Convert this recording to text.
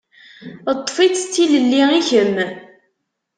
Ṭṭef-itt d tilelli i kemm.